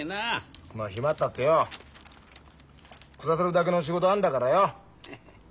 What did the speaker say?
まあ暇ったってよ暮らせるだけの仕事あんだからよ。